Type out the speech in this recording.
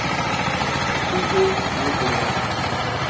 اُتو یہ ٹُریا